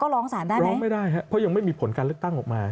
ร้องไม่ได้เพราะยังไม่มีผลการเลือกตั้งออกมา